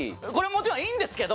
もちろんいいんですけど。